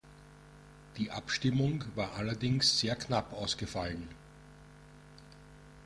Die Abstimmung war allerdings sehr knapp ausgefallen.